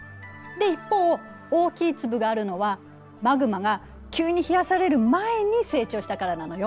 で一方大きい粒があるのはマグマが急に冷やされる前に成長したからなのよ。